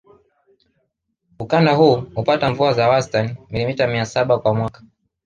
Ukanda huu hupata mvua za wastani milimita mia saba kwa mwaka